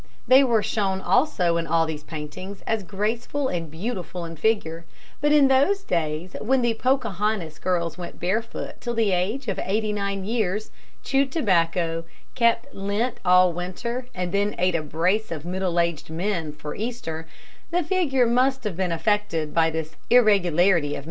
They were shown also in all these paintings as graceful and beautiful in figure; but in those days when the Pocahontas girls went barefooted till the age of eighty nine years, chewed tobacco, kept Lent all winter and then ate a brace of middle aged men for Easter, the figure must have been affected by this irregularity of meals.